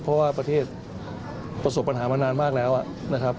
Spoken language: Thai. เพราะว่าประเทศประสบปัญหามานานมากแล้วนะครับ